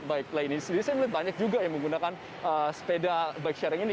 baik lainnya saya melihat banyak juga yang menggunakan sepeda bike sharing ini